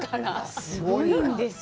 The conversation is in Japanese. すごいんですよ。